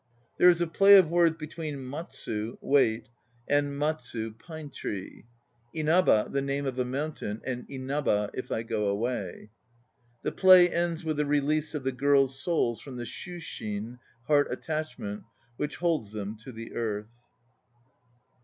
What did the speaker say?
228 THE NO PLAYS OF JAPAN There is a play of words between matsu, "wait," and matsu, "pine tree"; Inaba, the name of a mountain, and inaba, "if I go away." The play ends with the release of the girls' souls from the slwshin, "heart attachment," which holds them to the earth.